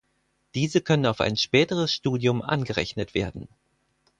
Diese können auf ein späteres Studium angerechnet werden.